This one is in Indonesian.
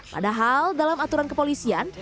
padahal dalam aturan kepolisian